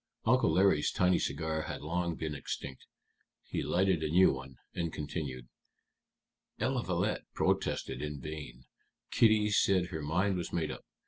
Uncle Larry's tiny cigar had long been extinct. He lighted a new one, and continued: "Eliphalet protested in vain. Kitty said her mind was made up.